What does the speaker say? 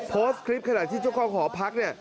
โพสต์คลิปขนาดที่เจ้าของหอพัก